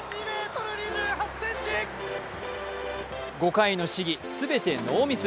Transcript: ５回の試技、全てノーミス。